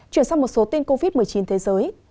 chuyển sang một số tin covid một mươi chín thế giới